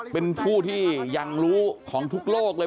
เป็นผู้ที่ยังรู้ของทุกโลกเลย